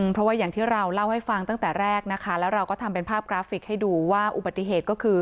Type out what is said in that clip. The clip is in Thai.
เพราะว่าอย่างที่เราเล่าให้ฟังตั้งแต่แรกนะคะแล้วเราก็ทำเป็นภาพกราฟิกให้ดูว่าอุบัติเหตุก็คือ